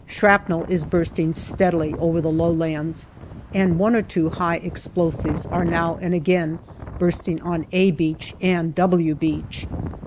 Shrapnel is bursting steadily over the low lands, and one or two high explosives 222 GALLIPOLI DIARY are now and again bursting on " A " Beach and " W" Beach.